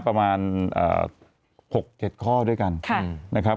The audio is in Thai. ประมาณ๖๗ข้อด้วยกันนะครับ